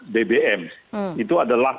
bbm itu adalah